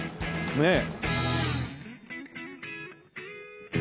ねえ。